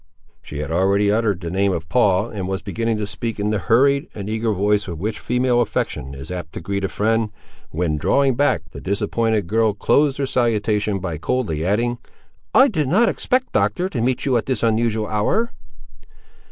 She had already uttered the name of Paul, and was beginning to speak in the hurried and eager voice with which female affection is apt to greet a friend, when, drawing back, the disappointed girl closed her salutation by coldly adding—"I did not expect, Doctor, to meet you at this unusual hour."